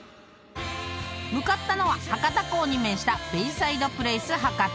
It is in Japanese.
［向かったのは博多港に面したベイサイドプレイス博多］